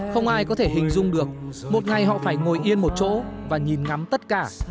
không ai có thể hình dung được một ngày họ phải ngồi yên một chỗ và nhìn ngắm tất cả